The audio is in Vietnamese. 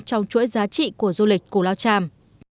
trong chuỗi giá trị của du lịch cù lao tràm